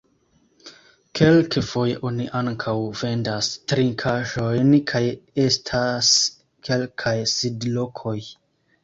Kelkfoje oni ankaŭ vendas trinkaĵojn kaj estas kelkaj sidlokoj.